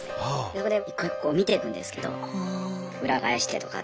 そこで一個一個見ていくんですけど裏返してとか。